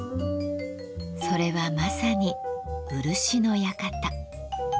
それはまさに漆の館。